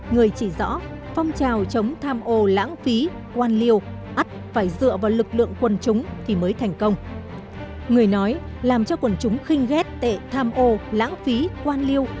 người nói làm cho quần chúng khinh ghét tệ tham ô lãng phí quan liêu